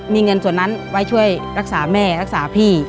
มีเงินส่วนนั้นไว้ช่วยรักษาแม่รักษาพี่